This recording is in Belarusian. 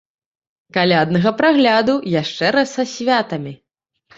Каляднага прагляду, яшчэ раз са святамі!